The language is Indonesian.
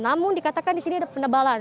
namun dikatakan di sini ada penebalan